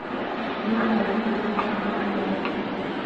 نورو حیواناتو ورته خواړه راوړل.